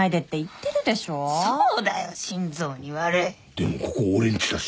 でもここ俺んちだし。